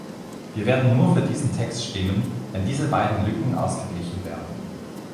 Wir werden nur für diesen Text stimmen, wenn diese beiden Lücken ausgeglichen werden.